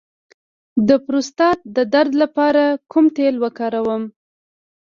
د پروستات د درد لپاره کوم تېل وکاروم؟